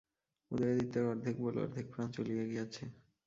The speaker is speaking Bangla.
উদয়াদিত্যের অর্ধেক বল অর্ধেক প্রাণ চলিয়া গিয়াছে।